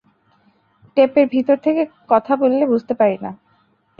টেপের ভিতর থেকে কথা বললে বুঝতে পারি না।